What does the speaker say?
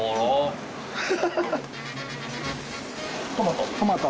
トマト。